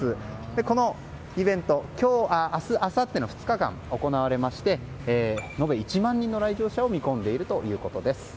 このイベント、明日あさっての２日間行われまして延べ１万人の来場者を見込んでいるということです。